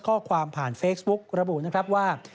ข้อความผ่านเฟซบุ๊กระบุนะครับว่า